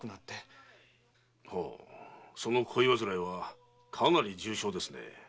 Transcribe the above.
ほうその恋煩いはかなり重傷ですねえ。